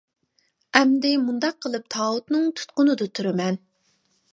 ئەمدى مۇنداق قىلىپ تاۋۇتنىڭ تۇتقۇنىدا تۇرىمەن!